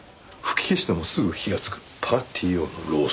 吹き消してもすぐ火がつくパーティー用のろうそく。